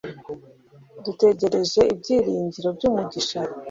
dutegereje ibyiringiro by’umugisha